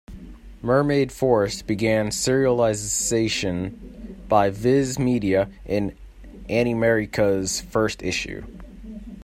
Mermaid Forest began serialisation by Viz Media in Animerica's first issue.